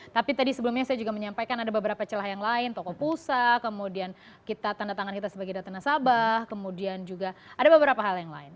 tapi tadi sebelumnya saya juga menyampaikan ada beberapa celah yang lain toko pulsa kemudian kita tanda tangan kita sebagai data nasabah kemudian juga ada beberapa hal yang lain